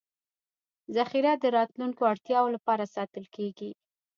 ذخیره د راتلونکو اړتیاوو لپاره ساتل کېږي.